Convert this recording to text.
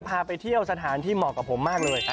พาไปเที่ยวสถานที่เหมาะกับผมมากเลย